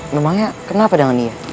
memangnya kenapa dengan dia